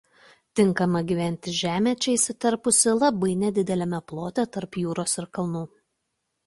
Tinkama gyventi žemė čia įsiterpusi labai nedideliame plote tarp jūros ir kalnų.